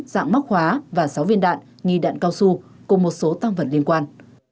dạng móc khóa và sáu viên đạn nghi đạn cao su cùng một số tăng vật liên quan